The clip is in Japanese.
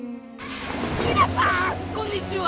みなさんこんにちは！